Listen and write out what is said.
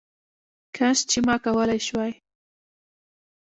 کش چي ما کولې شواې